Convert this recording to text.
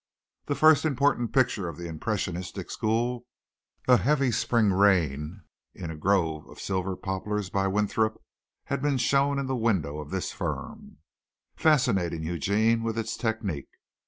The first important picture of the impressionistic school a heavy spring rain in a grove of silver poplars by Winthrop had been shown in the window of this firm, fascinating Eugene with its technique.